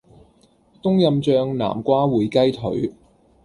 冬蔭醬南瓜燴雞腿